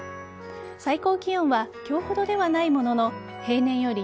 最高気温は今日ほどではないものの平年より